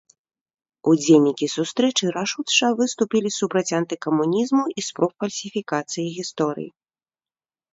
Удзельнікі сустрэчы рашуча выступілі супраць антыкамунізму і спроб фальсіфікацыі гісторыі.